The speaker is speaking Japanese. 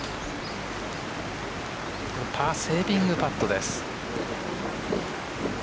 パーセービングパットです。